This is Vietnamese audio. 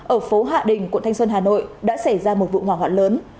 ở phố hạ đình quận thanh xuân hà nội đã xảy ra một vụ hỏa hoạn lớn